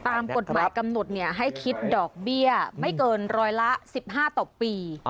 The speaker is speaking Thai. ตามกฎหมายกำหนดให้คิดดอกเบี้ยไม่เกินร้อยละ๑๕ต่อปี